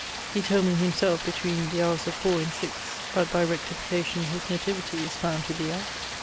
] he told me himself between the houres of four and six: but by rectification his nativity is found to be at